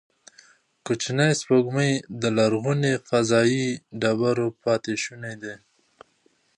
کوچنۍ سپوږمۍ د لرغونو فضايي ډبرو پاتې شوني دي.